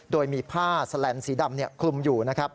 โดยมีผ้าแสลมสีดำคลุมอยู่